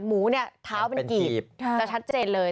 หมูเนี่ยเท้าเป็นกีบจะชัดเจนเลย